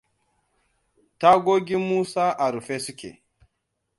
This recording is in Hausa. Tagogin Musas a rufe suke.